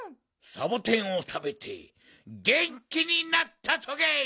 サボテンをたべてげんきになったトゲ！